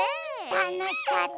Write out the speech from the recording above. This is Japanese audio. たのしかった。